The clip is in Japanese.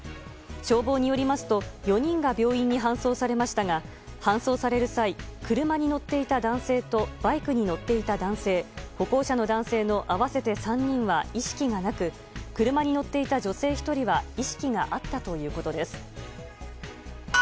消防によりますと４人が病院に搬送されましたが搬送される際車に乗っていた男性とバイクに乗っていた男性歩行者の男性の合わせて３人は意識がなく車に乗っていた女性１人は意識があったということです。